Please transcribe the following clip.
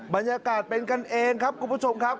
บรรยากาศเป็นกันเองครับคุณผู้ชมครับ